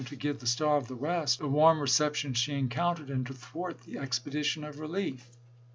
able, on January 9, to give the Star of the West the warm reception she encountered and to thwart the expedition of relief.